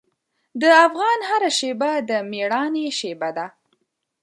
د افغان هره شېبه د میړانې شېبه ده.